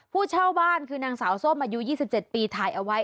ผู้เช่าบ้านคือนางสาวส้มอายุ๒๗ปีถ่ายเอาไว้